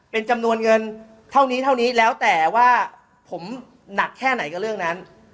เป็นจำนวนเงินเท่านี้เท่านี้แล้วแต่ว่าผมหนักแค่ไหนกับเรื่องนั้น